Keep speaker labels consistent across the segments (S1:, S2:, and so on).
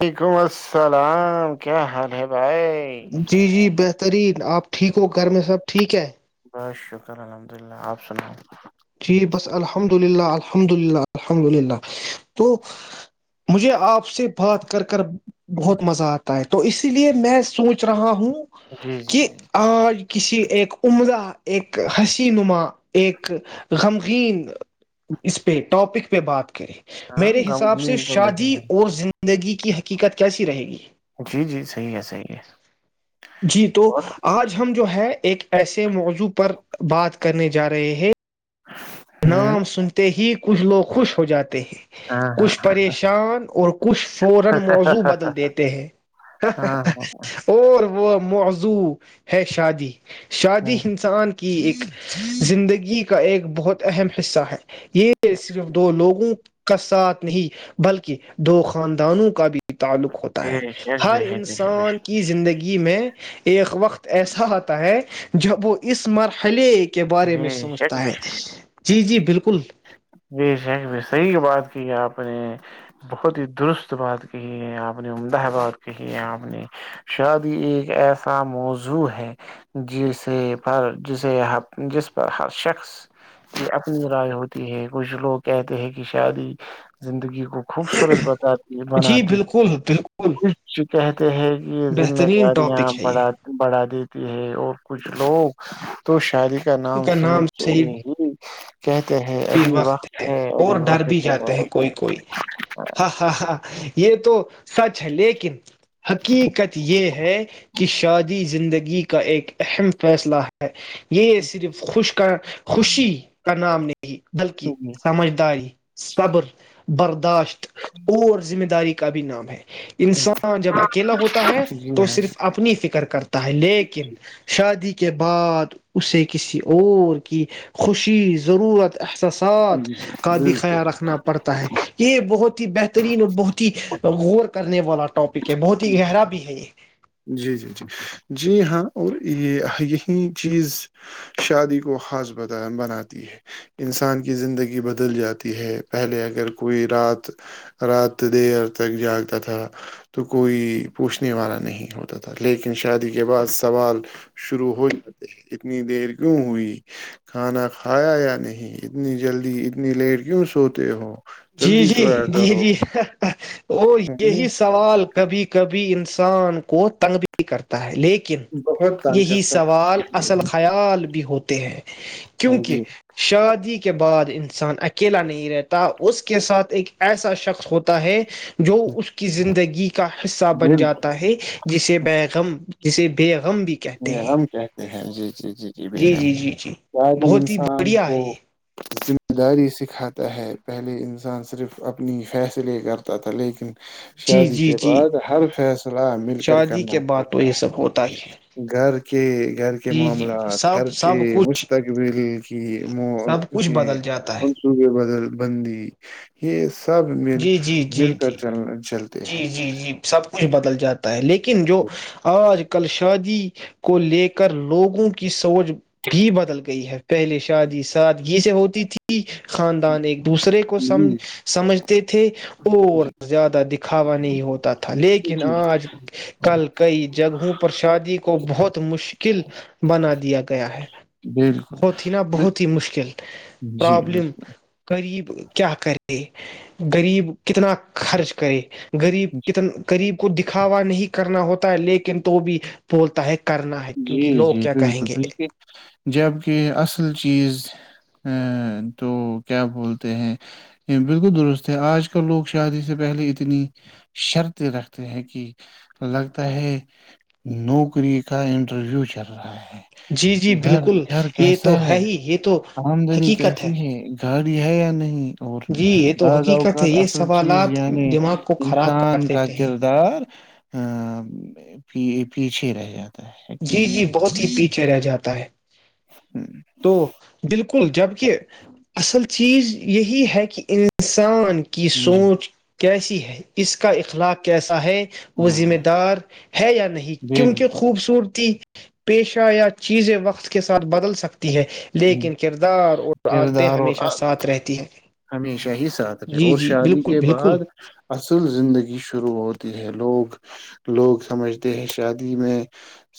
S1: وعلیکم السلام کیا حال ہے بھائی
S2: جی جی بہترین آپ ٹھیک ہو گھر میں سب ٹھیک ہے
S1: بہست شکر الحمد للہ آپ سناؤ
S2: جی بس الحمد للہ الحمد للہ الحمد للہ تو مجھے آپ سے بات کر کر بہت مزہ آتا ہے تو اسی لیے میں سوچ رہا ہوں
S1: جی جی
S2: کہ
S1: جی
S2: آج کسی ایک عمدہ ایک ہسی نما ایک غمگین اس پہ ٹاپک پہ بات کری
S1: ہاں
S2: میرے حساب سے
S1: غمگین تو نہیں
S2: شادی
S1: ہے
S2: اور زندہی زندگی کی حقیقت کیسی رہے گی
S1: جی جی صحیح ہے صحیح ہے
S2: جی تو
S1: بہت
S2: آج ہم جو ہے ایک ایسے موضوع پر بات کرنے جا رہے ہیں
S1: ہوں
S2: نام سنتے ہی کچھ لوگ خوش ہو جاتے
S1: ہاں ہاں
S2: کچھ پریشان کر دیتے ہیں
S1: ہاں ہاں
S2: اور [unintelligible] وہ موضوع ہے شادی شادی
S1: ہاں
S2: ہسان کی ایک زندگی کا ایک بہت اہم حصہ ہیں یہ صرف دو لوگوں کا ساتھ نہیں بلکہ دو خاندانوں کا بھی تعلق ہوتا ہے
S1: بے شک
S2: ہر
S1: بے شک بے شک بے
S2: انسان
S1: شک
S2: کی زندگی میں ایک وقت ایسا آتا ہے کہ ج وہ اس مرحلے کے بارے میں
S1: بے شک
S2: سمجھتا
S1: بے
S2: ہے
S1: شک
S2: جی جی بالکل
S1: جی شیخ صحیح بات کی ہے آپ نے بہت ہی درست بات کہی ہے آپ نے عمدہ بات کہی ہے آپ نے شادی ایک ایسا موضوع ہے جسے پر جسے جس پر ہر شخص یہ اپنی رائے ہوتی ہے کچھ لوگ کہتے ہیں کہ شادی زندگی کو خوبصورت بتاتی ہے
S2: جی
S1: بناتی ہے
S2: بالکل بالکل
S1: خش کہتے ہیں کہ یہ ذمہ
S2: بہترین
S1: داریاں
S2: ٹاپک ہے
S1: بڑ
S2: یہ
S1: بڑھا دی ہے اور کچھ لوگ تو شاعری کا نام سن کے ہی کہتے ہیں
S2: بھی
S1: ابھی وقت ہے ابھی
S2: اور ڈر
S1: وقت
S2: بھی
S1: ہے
S2: جاتے ہیں کوئی کوئی ہاں ہاں ہاں یہ تو سچ ہے لیکن حقیقت یہ ہے کہ شادی زندگی کا ایک اہم فیصلہ ہے یہ صرف خوش کر خوشی کا نام نہیں بلکہ سمجھداری صبر برداشت اور ذمہ داری کا بھی نام ہے انسان جب اکیلا ہوتا ہے
S1: جی
S2: تو
S1: ہاں
S2: صرف اپنی فکر کرتا ہے لیکن شادی کے کے بعد اسے کسی اور کی خوشی ضرورت احساسات
S1: جی جی
S2: کا بھی
S1: بالکل
S2: خیال رکھنا پڑتا ہے یہ بہت ہی بہترین اور بہت ہی غور کرنے والا ٹاپک ہے بہت ہی گہرا بھی ہے یہ
S1: جی جی جی جی ہاں اور یہ یہی چیز شادی کو خاص بتا بناتی ہے انسان کی زندگی بدل جاتی ہے پہلے اگر کوئی رات رات دیر تک جاگتا تھا تو کوئی پوچھنے والا نہیں [unintelligible] ہوتا تھا لیکن شادی کے بعد سوال شروع ہو جاتے ہیں اتنی دیر کیوں ہوئی کھانا کھایا یا نہیں اتنی جلدی اتنی لیٹ کیوں سوتے ہو
S2: جی
S1: جلدی
S2: جی
S1: سویا
S2: جی
S1: کرو،
S2: جی ا [unintelligible] اور
S1: کہنا
S2: یہی سوال کبھی کبھی انسان کو تنگ بھی کرتا ہے لیکن
S1: بہت تنگ
S2: یہی
S1: کرتا ہے۔
S2: سوال اصل خیال بھی ہوتے ہیں
S1: ہاں
S2: کیونکہ
S1: جی،
S2: شادی کے بعد انسان اچھا کھیلا نہیں رہتا اس کے ساتھ ایک ایسا شخص ہوتا ہے جو اس کی زندگی کا حصہ بن
S1: بول
S2: جاتا ہے جسے بیگم کسی بھی کہتے
S1: ج
S2: ہیں
S1: ہم کہتے ہیں جی جی جی جی ب ہم
S2: جی جی
S1: پیاری
S2: بہت ہی
S1: انسان
S2: بڑھیا
S1: کو
S2: ہے یہ
S1: بتداری سکھاتا ہے پہلے انسان صرف اپنی فیصلے کرتا تھا لیکن
S2: جی
S1: شادی
S2: جی
S1: کے
S2: جی
S1: بعد ہر فیصلہ مل کر
S2: شادی کے
S1: کرنا
S2: بعد تو
S1: پڑتا
S2: یہ
S1: ہے
S2: سب ہوتا ہی ہے
S1: ب کہ [unintelligible] یار کے
S2: جی جی
S1: معاملہ
S2: جی سب سب
S1: خرچی
S2: کچھ
S1: مستقبل کی م
S2: سب کچھ بدل جاتا ہے
S1: منصوبے بدل بندی یہ سب مل
S2: جی جی جی
S1: مل کر
S2: جی
S1: چل چلتے ہیں
S2: جی جی جی سب کچھ بدل ج جاتا ہے لیکن ن جو آوج [unintelligible] کل شادی کو لے کر لوگوں کی س سوچ بھی بدل گئی ہے پہلے شادی ساد یہ سے ہوتی تھی خاندان ایک دوسرے کو سمج
S1: جی جی
S2: سمجھ تھے اور
S1: جی
S2: زیادہ دکھاوا نہیں ہوتا تھا تھا لیکن آج کل کئی جگہوں پر شادی کو بہت مشکل بنا دیا گیا ہے
S1: بالکل
S2: بہت ہی نا بہت ہی مشکل
S1: جی
S2: پرابلم
S1: بالکل
S2: غریب کیا کرے غریب کتنا خرچ کرے غریب کتنا قغریب کو دکھاوا نہیں کرنا ہوتا ہے لیکن تو بھی بولتا ہے کرنا ہے
S1: جی
S2: کیونکہ لوگ
S1: جی
S2: کیا کہیں
S1: بالکل
S2: گے
S1: بالک جبک اصل چیز ا تو کیا بولتے ہیں بالکل درست ہے آج کل لوگ شادی سے پہلے اتنی شرطیں رکھتے ہیں کہ لگتا ہے نوکری اس کا انٹرویو چل رہا ہے
S2: جی جی
S1: گھر
S2: بالکل
S1: گھر
S2: یہ تو
S1: کیسا
S2: ہے ہی یہ تو
S1: آمدنی
S2: حقیقت ہے
S1: کیسی گاڑی ہے یا نہیں اور
S2: جی یہ تو
S1: بعض
S2: حقیقت ہے
S1: اوقات
S2: یہ
S1: اصل چیز
S2: سوالات
S1: یعنی
S2: دماغ کو خراب کر
S1: انسان کا
S2: دیتے ہیں
S1: کردار پ پیچھے رہ جات
S2: جی جی بہت ہی پیچھے چریا جاتا ہے
S1: ہوں،
S2: تو دل کل جبکہ اصل چیز یہی ہے کہ انسان کی
S1: جی
S2: سوچ کیسی ہے اس کا اخلاق کیسا ہے وہ
S1: ہاں
S2: ذمہ دار ہے یا نہیں کیونکہ
S1: بالکل
S2: خوبصورتی پیشہ یا چیزیں وقت کے ساتھ بدل سکتی ہے
S1: ہ
S2: لیکن کردار اور عادتیں
S1: کردار اور
S2: ہمیشہ ساتھ رہتی ہے
S1: ہمیشہ ہی ساتھ رہے
S2: جی
S1: اور
S2: جی
S1: شادی
S2: بالکل
S1: کے
S2: بالکل
S1: بعد اصل زندگی شروع ہو ہے لوگ لوگ سمجھتے ہیں شادی میں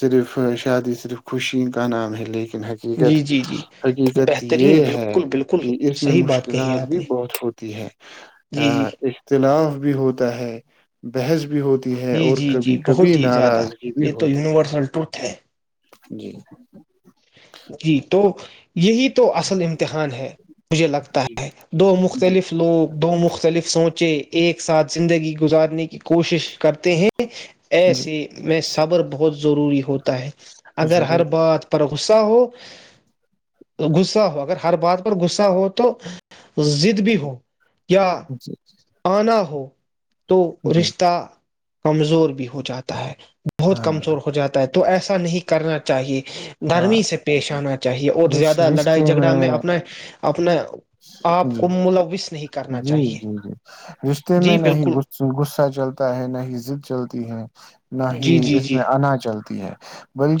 S1: صرف شادی صرف خوشی کا نام ہے لیکن کن حقیقت
S2: جی جی جی
S1: حقیقت
S2: بہترین
S1: یہ ہے
S2: بالکل بالکل
S1: کہ اس میں
S2: صحیح بات کہی ہے
S1: مشکلات
S2: آپ
S1: بھی
S2: نے
S1: بہت ہوتی تی ہے
S2: جی جی
S1: ہاں است نام بھی ہوتا ہے بحث بھی ہوتی ہے
S2: جی
S1: اور
S2: جی جی
S1: کبھی کبھی
S2: بہت ہی زیادہ
S1: ناراضگی بھی
S2: یہ تو
S1: ہوتی ہے
S2: یونیورسل ٹروتھ ہے
S1: جی
S2: جی تو یہی تو اصل امتحان ہے مجھے لگتا
S1: جی
S2: ہے دو
S1: جی
S2: مختلف لوگ دو مختلف سوچے ایک ساتھ زندگی گزارنے کی کوشش کرتے ہیں
S1: جی
S2: ایسے میں صبر بہت ضروری ہ ہوتا ہے اگر ہر
S1: ضرور
S2: بات غصہ ہو غصہ ہو اگر ہر بات پر غصہ ہو تو د بھی ہو
S1: اچھا اچھا
S2: آان ہو تو رشتہ کمزور بھی ہو جاتا ہے بہت
S1: ہاں
S2: کمزور ہو جاتا ہے تو ایسا نہیں کرنا چاہیے
S1: ہاں
S2: گھرمی سے پیش آنا چاہیے اور
S1: رش-
S2: زیادہ لڑائی
S1: رشتے
S2: جھگڑا میں اپنا اپنا آپ کو ملوث نہیں کرنا
S1: جی
S2: چاہیے
S1: جی جی رشتے میں
S2: جی
S1: نہ ہی
S2: بالکل
S1: غصہ چلتا ہے نہ ہی ضد چلتی ہے نہ ہی
S2: جی جی
S1: اس
S2: جی
S1: میں اناجل ہے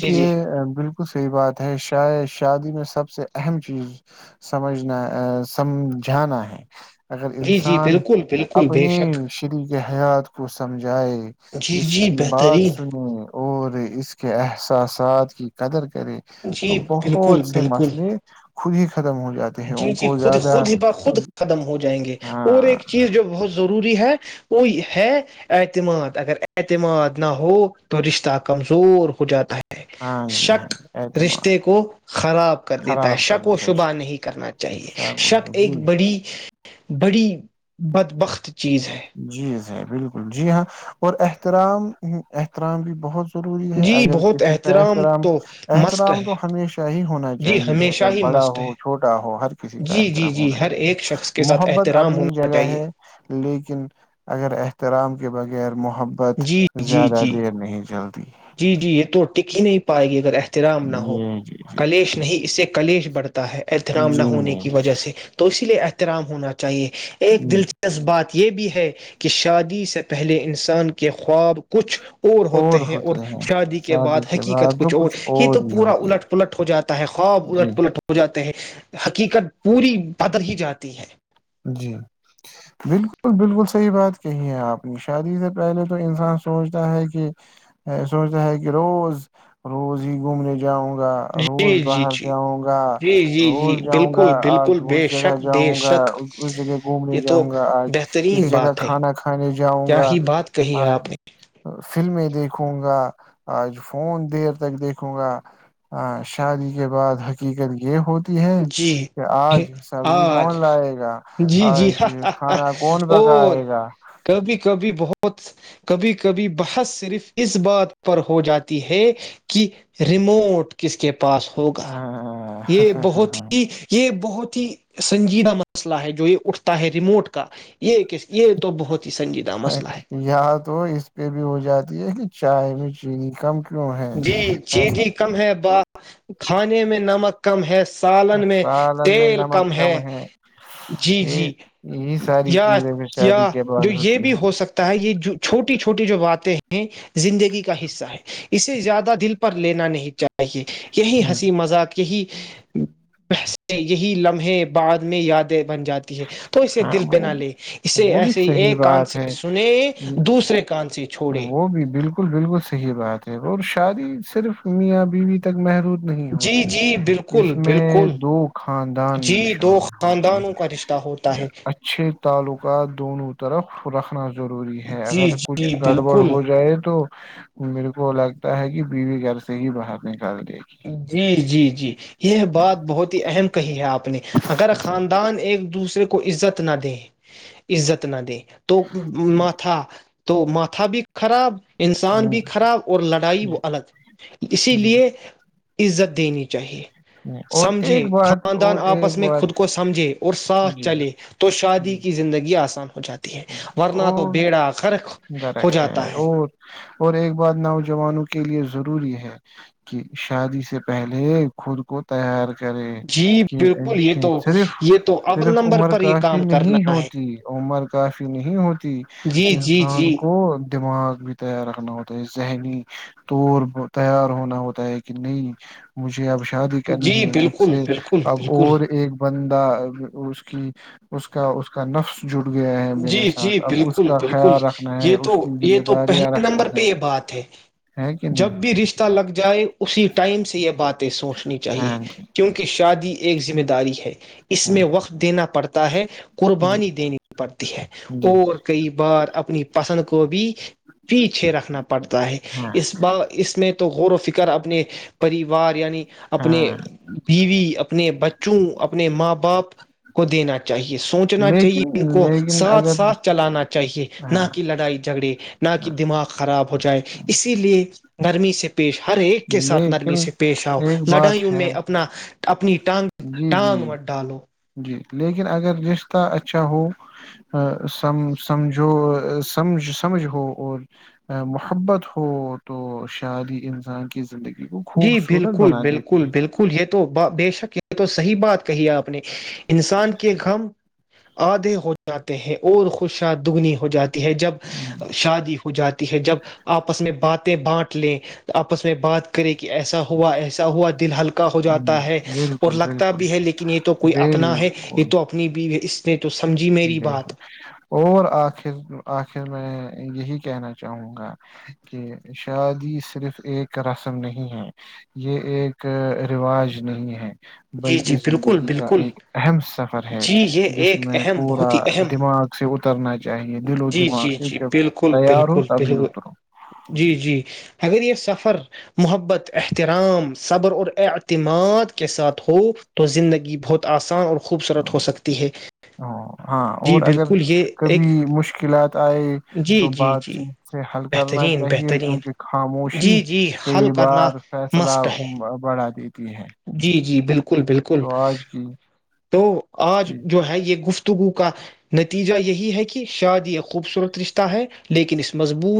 S2: جی جی
S1: بالک بالکل صحیح بات ہے شاید شادی میں سب سے اہم چیز سمجھنا سمجھانا ہے اگر
S2: جی جی
S1: انسان
S2: بالکل بالکل بے شک
S1: اپنی شریک حیات کو جائے
S2: جی
S1: اس
S2: جی
S1: کی بات
S2: بہترین
S1: سنے اور اس کے احس ساتھ کی قدر کرے تو
S2: جی بالکل
S1: بہت سے
S2: بالکل
S1: مسئلے خودی
S2: جی جی خود خود با خود ختم ہو جائے جائیں گے اور
S1: ہاں
S2: ایک چیز جو بہت ضروری ہے وہ ہے اعتماد اگر اعتماد نہ ہو تو رشتہ کمزور ہو جاتا ہے
S1: ہاں جی ہاں
S2: شک
S1: جی اعتماد
S2: رشتے کو خراب کر دیتا ہے
S1: خراب کر
S2: شک و
S1: دیتا
S2: شبہ نہیں کرنا چاہیے
S1: شاہ کچھ
S2: شک ایک
S1: جی
S2: بڑی بڑی بدبخت چیز ہے
S1: جی سر بالکل جی ہاں اور احترام احترام بھی بہت ضروری ہے
S2: جی
S1: اگر
S2: بہت
S1: کسی کا احترام
S2: تو مست
S1: احترام تو
S2: ہے
S1: ہمیشہ ہی ہونا
S2: جی
S1: چاہیے
S2: ہمیشہ
S1: اگر
S2: ہی
S1: بڑا
S2: مست
S1: ہو
S2: ہے
S1: چھوٹا ہو ہر کسی کا
S2: جی جی
S1: احترام
S2: جی
S1: ہونا
S2: ہر
S1: چاہیے
S2: ایک شخص کے ساتھ
S1: محبت
S2: احترام
S1: اپنی
S2: ہونا
S1: جگہ
S2: چاہیے
S1: ہے لیکن اگر احترام کے بغیر مح محبت
S2: جی جی
S1: زیادہ
S2: جی
S1: دیر نہیں چلتی
S2: جی جی یہ تو ٹکی نہیں پائے گی اگر رام نہ ہو
S1: جی جی جی جی
S2: کلیش نہیں اس سے کلیش بڑتے ہے ایتھرام نہ
S1: جی
S2: ہونے کی وجہ سے تو اسی لیے ایتھ احترام ہونا چاہیے ایک
S1: جی
S2: دلچسپ بات یہ بھی ہے کہ شادی سے پہلے انسان کے خواب کچھ اور ہوتے ہیں اور شادی کے بعد حقیقت کچھ اور یہ تو پورا الٹ پلٹ ہو جاتا ہے خواب
S1: جی
S2: الٹ پلٹ ہو جاتا ہیں حقیقت پوری پدر ہی جاتی ہے
S1: جی بالکل بالکل صحیح بات کہی ہے آپ نے شادی سے پہلے تو انسان سوچتا ہے کہ سوچتا ہے کہ روز روز ہی گھومنے جاؤں گا
S2: جی
S1: روز
S2: جی
S1: باہر
S2: جی
S1: جاؤں گا
S2: جی جی جی
S1: روز جاؤں گا
S2: بالکل
S1: آج
S2: بالکل بے
S1: اس جگہ
S2: شک بے
S1: جاؤں گا
S2: شک
S1: اس جگہ گھومنے
S2: یہ تو
S1: جاؤں گا آج اس
S2: بہترین
S1: جگہ
S2: بات ہے
S1: کھانا کھانے جاؤں
S2: کیا
S1: گا
S2: ہی بات کہی ہے
S1: آج
S2: آپ نے
S1: فلمیں دیکھ دیکھوں گا آج فون دیر تک دیکھوں گا ا شادی کے بعد حقیقت یہ ہوتی ہے
S2: جی
S1: کہ آج سبزی
S2: آج
S1: کون لائے گا
S2: جی جی
S1: آج
S2: ہ
S1: کھانا کون
S2: اور
S1: پکائے گا
S2: کبھی کبھی بہت کبھی کبھی بحث صرف اس بات پر ہو جاتی ہے کہ ریموٹ کس کے پاس پاس ہوگا یہ ہو تھی یہ [unintelligible] بہت ہی سنجیدہ مسئلہ ہے جو یہ اٹھتا ہے ریموٹ کا یہ ک یہ تو بہت ہی سنجیدہ مسئلہ ہے
S1: یہاں تو اس پہ بھی ہو جاتی ہے کہ چائے میں چینی کم کیوں ہے
S2: جی چیید ہی کم ہے ب کھانے میں نمک کم ہے سالن میں
S1: سالن میں
S2: تیل کم
S1: نمک
S2: ہے جی
S1: یہ
S2: جی
S1: یہی ساری
S2: یا
S1: چیزیں بھی شادی کے بعد
S2: جو یہ
S1: ہوتی
S2: بھی ہو سکتا ہے یہ چھوٹی چھوٹی جو باتیں ہیں ہیں زندگی کا حصہ ہے یہ اسے زیادہ دل پر لینا نہیں چاہیے یہی
S1: ہے
S2: ہنسی مذاق یہی پسے یہی لمحے بعد میں یادیں بن جاتی ہے تو اسے
S1: ہاں
S2: دل
S1: وہ
S2: پہنا لے اسے
S1: وہ بھی
S2: ایسے
S1: صحیح
S2: ایک کان
S1: بات
S2: سے
S1: ہے
S2: سنے دوسرے کان سے چھوڑے
S1: وہ بھی بالکل بالکل صحیح بات اور شادی صرف میاں بیویں تک محرود نہیں
S2: جی
S1: ہوتی
S2: جی بالکل
S1: اس میں
S2: بالکل
S1: دو خاندان بھی
S2: جی دو
S1: شامل ہوتے
S2: خاندانوں کا رشتہ ہوتا
S1: ہیں
S2: ہے
S1: اچھے تعلقات دونوں طرف رکھنا ضروری ہے
S2: جی
S1: اگر کچھ
S2: جی
S1: گڑبڑ
S2: بالکل
S1: ہو جائے تو میرے کو لگتا ہے کہ بیوی گھر سے ہی باہر نہیں
S2: جی جی جی یہ بات بہت ہی اہم کہی ہے آپ نے اگر خاندان ایک دوسرے کو عزت نہ دیں عزت نہ دیں تو ما تھا تو ماتھا بھی خراب انسان بھی
S1: ہ
S2: خراب اور لڑائی
S1: جی
S2: وہ الگ اسی
S1: جی
S2: لیے عزت دینی چاہیے
S1: جی۔ اور ایک
S2: سمجھے
S1: بات
S2: خاندان
S1: اور ایک
S2: آپس میں خود
S1: بات
S2: کو سمجھے اور ساتھ
S1: جی
S2: چلے تو شادی
S1: جی
S2: کی زندگی آسان ہو جاتی ہے ورنہ تو
S1: اور
S2: بیڑا خر ہو
S1: غرق
S2: جاتا ہے
S1: اور اور ایک بات نوجوانوں کے لیے ضروری ہے کہ شادی سے پہلے خود کو تیار کرے
S2: جی
S1: کہ
S2: بالکل یہ تو
S1: صرف
S2: یہ تو اول
S1: صرف
S2: نمبر
S1: عمر
S2: پر یہ
S1: کافی
S2: کام
S1: نہیں
S2: کرنا ہے
S1: ہوتی عمر کافی نہیں ہوتی
S2: جی جی
S1: انسان
S2: جی
S1: کو دماغ بھی تیار رکھنا ہوتا ہے ذہنی طور تیار ہونا ہوتا ہے کہ نہیں مجھے اب شادی کرنی
S2: جی
S1: ہے مجھ
S2: بالکل
S1: سے
S2: بالکل
S1: اب
S2: بالکل
S1: اور ایک بند اس کی اس کا اس کا نفس جٹ
S2: جی جی بالکل بالکل
S1: خیال رکھنا ہے
S2: یہ تو
S1: اس کی
S2: یہ
S1: ذمہ
S2: تو
S1: داریاں
S2: پہلے
S1: رکھنی
S2: نمبر پہ
S1: ہے
S2: یہ بات ہے
S1: ہے کہ نہیں
S2: جب بھی رشتہ لگ جائے اسی ٹائم سے یہ باتیں سوچنی چاہیے
S1: ہاں جی
S2: کیونکہ شادی ایک ذمہ داری ہے اس
S1: ہاں
S2: میں وقت دینا پڑتا ہے
S1: جی
S2: قربانی دینے پڑتی ہے
S1: جی
S2: اور کئی بار اپنی پسند کووبی پیچھے رکھنا پڑتا ہے
S1: ہاں
S2: اس بار اس میں تو غور و فکر گ اپنے پریوار یعنی اپنے
S1: ہاں
S2: بیوی اپنے بچوں اپنے ماں باپ کو دینا چاہیے سوچنا
S1: لیکن
S2: چاہیے کو
S1: لیکن
S2: ساتھ
S1: اگر
S2: ساتھ چلانا چاہیے نہ
S1: ہاں
S2: کہ
S1: ہاں
S2: لڑائی جھگڑے نہ کہ دماغ خراب ہو جائے اسی لیے نرمی سے پیش ہر ایک کے ساتھ نرمی
S1: لیکن
S2: سے پیش آؤ
S1: ایک بات
S2: لڑائیوں
S1: ہے
S2: میں اپنا اپنی ٹانگ
S1: جی جی جی
S2: ٹانگ و ڈالو
S1: جی لیکن اگر رشتہ اچھا ہو سم سمجھو سمجھ سمجھ ہو اور محبت ہو تو شادی انسان کی زندگی کو
S2: جی
S1: خوبصورت
S2: بالکل
S1: بنا
S2: بالکل
S1: دیتی ہے
S2: بالکل یہ تو بے شک یہ تو صحی بات کہی آپ انسان کے گم آدھے ہو جاتے ہیں اور خوشیا دگنی ہو جاتی ہے جب شادی ہو جاتی ہے جب آپس میں بات بانٹ لیں تو آپس میں بعد کے کرے کہ ایسا ہوا ایسا ہوا دل ہلکا ہو جاتا ہے اور
S1: بالکل
S2: لگتا
S1: بالکل
S2: بھی ہے لیکن یہ تو کوئی اپنا ہے یہ تو اپنی بھی اس نے تو سمجھی میری
S1: جی ج
S2: بات
S1: اور آخر آخر میں یہی کہنا چاہوں گا کہ شادی صرف ایک رسم نہیں ہے یہ ایک رواج نہیں ہے
S2: جی جی
S1: بلکہ
S2: بالکل
S1: زندگی کا
S2: بالکل
S1: ایک اہم سفر ہے
S2: جی یہ
S1: جس
S2: ایک
S1: میں
S2: اہم
S1: پورا
S2: بہت ہی اہم
S1: دماغ سے اترنا چاہیے دل و
S2: جی
S1: دماغ
S2: جی جی
S1: کیکہ
S2: بالکل
S1: تیار ہو
S2: بالکل
S1: تبھی
S2: بالکل
S1: اتروں
S2: جی جی اگر یہ سفر محبت احترام صبر اور اعتماد کے ساتھ ہو ہو تو زندگی بہت آسان اور خوبصورت ہو سکتی ہے
S1: ہ ہاں
S2: جی
S1: اور اگر
S2: بالکل یہ ایک
S1: کبھی مشکلات آئے
S2: جی
S1: تو
S2: جی
S1: بات
S2: جی
S1: چیت سے حل کرنا
S2: بہترین
S1: چاہیے
S2: بہترین
S1: کیونکہ خاموشی
S2: جی جی حل
S1: کئی
S2: کرنا
S1: بار فیصلہ
S2: مسٹ ہے
S1: بڑھا دیتی ہے
S2: جی جی بالکل کل بالکل
S1: تو آج کی
S2: تو آج
S1: جی
S2: جو ہے یہ گفت گو کا نتیجہ یہی ہے کہ شاد خوبصورت رشتہ ہے لیکن اس مضبوط